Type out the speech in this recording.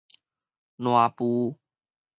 懶孵